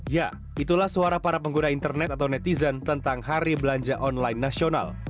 ya itulah suara para pengguna internet atau netizen tentang hari belanja online nasional